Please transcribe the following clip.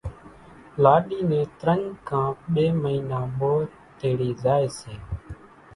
لاڏي نين ترڃ ڪان ٻي مئينا مور تيڙي زائي سي